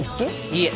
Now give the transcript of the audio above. いえ。